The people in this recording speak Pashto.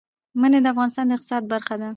منی د افغانستان د اقتصاد برخه ده.